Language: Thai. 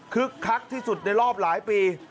คักที่สุดในรอบหลายปี